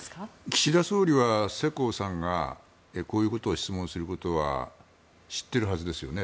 岸田総理は世耕さんがこういうことを質問することは知っているはずですよね。